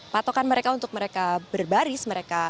patokan mereka untuk mereka berbaris